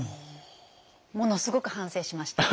ものすごく反省しました。